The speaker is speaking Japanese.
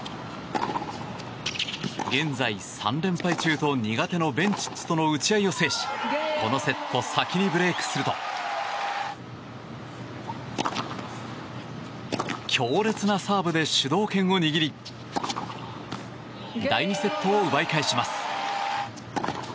現在３連敗中と苦手のベンチッチとの打ち合いを制しこのセット先にブレークすると強烈なサーブで主導権を握り第２セットを奪い返します。